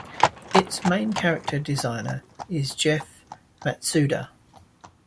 Its main character designer is Jeff Matsuda.